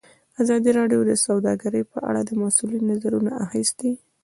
ازادي راډیو د سوداګري په اړه د مسؤلینو نظرونه اخیستي.